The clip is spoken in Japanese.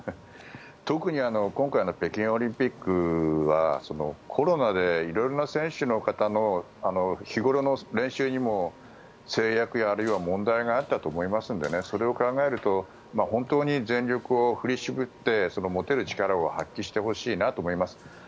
特に今回の北京オリンピックはコロナでいろいろな選手の方の日ごろの練習にも制約やあるいは問題があったと思いますのでそれを考えると本当に全力を振り絞って持てる力を発揮してほしいなと思います。